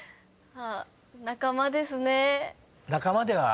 仲間ですね。